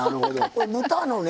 これ豚のね